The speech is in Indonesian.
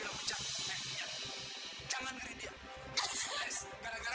mau atau tidak janganlah kau mencimalah dia